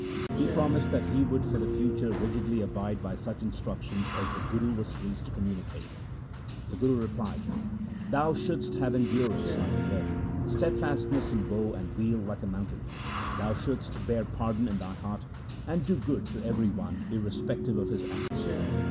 He promised that he would for the future rigidly abide by such instruc tions as the Guru was pleased to communicate. The Guru replied :' Thou shouldst have endurance like the earth, steadfastness in woe and weal like a mountain ; thou shouldst bear pardon in thy heart, and do good to every one irrespective of his acts.